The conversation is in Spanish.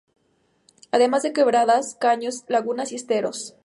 Además de quebradas, caños, lagunas y esteros.